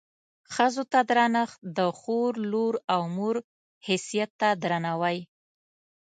ښځو ته درنښت د خور، لور او مور حیثیت ته درناوی.